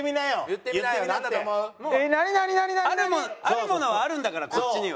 あるものはあるんだからこっちには。